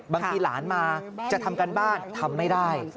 บางทีหลานมาจะทำการบ้านทำไม่ได้